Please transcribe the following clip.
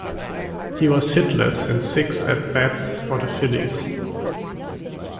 He was hitless in six at-bats for the Phillies.